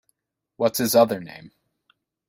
What’s his other name?